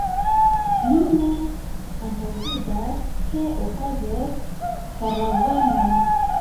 Mi ne antaŭvidas ke okazos karavano.